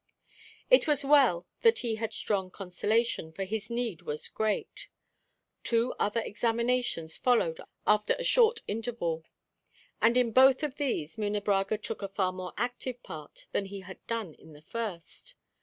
It was well that he had strong consolation, for his need was great. Two other examinations followed after a short interval; and in both of these Munebrãga took a far more active part than he had done in the first.